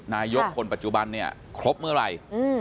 นายกคนปัจจุบันเนี่ยครบเมื่อไหร่